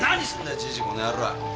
じじいこの野郎！